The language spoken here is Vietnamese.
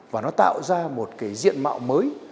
và nó tạo ra một cái diện mạo mới